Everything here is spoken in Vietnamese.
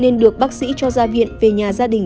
nên được bác sĩ cho ra viện về nhà gia đình